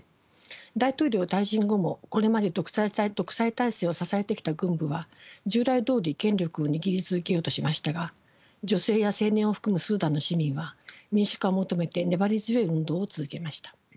大統領退陣後もこれまで独裁体制を支えてきた軍部は従来どおり権力を握り続けようとしましたが女性や青年を含むスーダンの市民は民主化を求めて粘り強い運動を続けました。